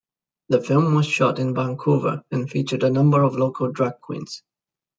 The film was shot in Vancouver and featured a number of local drag queens.